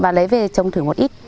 và lấy về trồng thử một ít